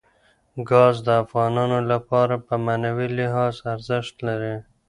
ګاز د افغانانو لپاره په معنوي لحاظ ارزښت لري.